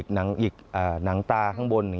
หนังตาข้างบน